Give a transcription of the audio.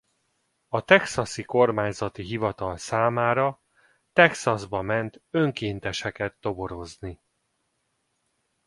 A texasi kormányzati hivatal számára Texasba ment önkénteseket toborozni.